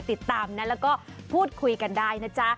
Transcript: ติดตามนะแล้วก็พูดคุยกันได้นะจ๊ะ